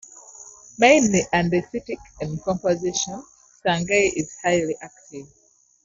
Mainly andesitic in composition, Sangay is highly active.